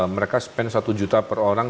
mereka spend satu juta per orang